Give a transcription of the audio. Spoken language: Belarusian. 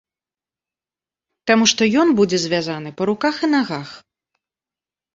Таму што ён будзе звязаны па руках і нагах.